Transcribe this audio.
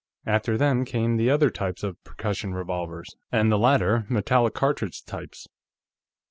After them came the other types of percussion revolvers, and the later metallic cartridge types.